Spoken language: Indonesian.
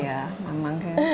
iya memang kan